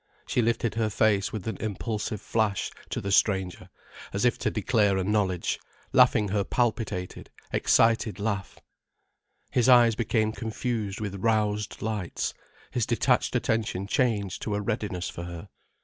She lifted her face with an impulsive flash to the stranger, as if to declare a knowledge, laughing her palpitating, excited laugh. His eyes became confused with roused lights, his detached attention changed to a readiness for her.